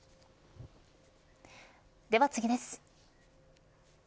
では次です。